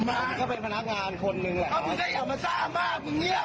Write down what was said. มึงแค่เป็นพนักงานคนหนึ่งแหละไม่ซ้ายอัมเมสชาติมากมึงเยียบ